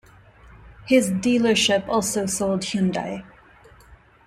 His dealership also sold Hyundai.